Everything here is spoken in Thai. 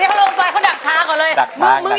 เดี๋ยวเขาลงไปเขาดักทางก่อนเลย